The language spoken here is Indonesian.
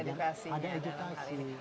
jadi ada edukasi